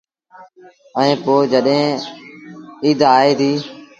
ائيٚݩ پو جڏهيݩ ايٚد آئي ديٚ۔